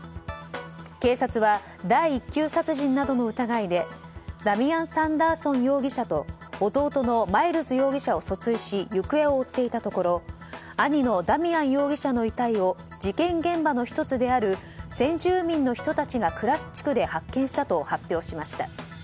警察は第１級殺人などの疑いでダミアン・サンダーソン容疑者と弟のマイルズ容疑者を訴追し行方を追っていたところ兄のダミアン容疑者の遺体を事件現場の１つである先住民の人たちが暮らす地区で発見したと発表しました。